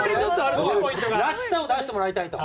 らしさを出してもらいたいと。